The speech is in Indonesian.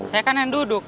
saya kan yang duduk